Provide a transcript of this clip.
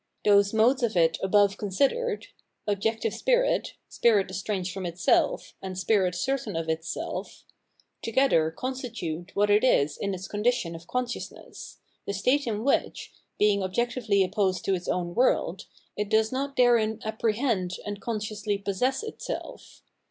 Those modes of it above considered —" objective spirit," " spirit estranged from itself " and " spirit certain of its self "— together constitute what it is in its condition of consciousness, the state in which, being objectively opposed to its own world, it does not therein apprehend and consciously possess itself.